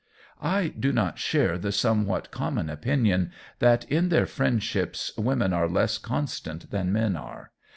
I do not share the somewhat common opinion that in their friendships women are less constant than men are.